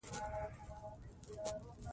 انګور د افغانستان د انرژۍ د سکتور برخه ده.